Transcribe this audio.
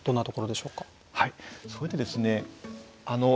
それでですね